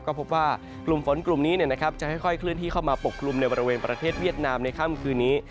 ก็พบว่ากลุ่มฝนกลุ่มนี้จะค่อยเคลื่อนที่เข้ามาปกกลุ่มในบริเวณประเทศเวียดนามในค่ำคืนนี้